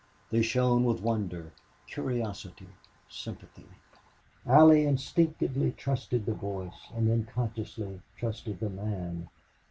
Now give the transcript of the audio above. They shone with wonder, curiosity, sympathy. Allie instinctively trusted the voice and then consciously trusted the man.